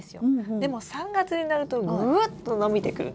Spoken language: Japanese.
でも３月になるとぐっと伸びてくるんです。